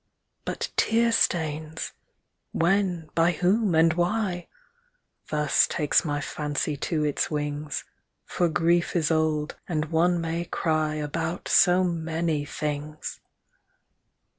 But tear stains! When, by whom, and why? Thus takes my fancy to its wings; For grief is old, and one may cry About so many things!